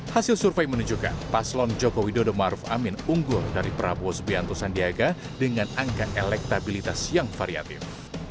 hasil survei menunjukkan paslon joko widodo maruf amin unggul dari prabowo subianto sandiaga dengan angka elektabilitas yang variatif